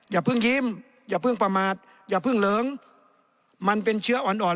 อย่าเพิ่งยิ้มอย่าเพิ่งประมาทอย่าเพิ่งเหลิงมันเป็นเชื้ออ่อนอ่อน